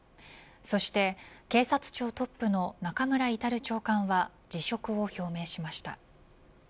そして警察庁トップの中村格長官は辞職を表明しました。